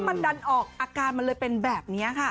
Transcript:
มันดันออกอาการมันเลยเป็นแบบนี้ค่ะ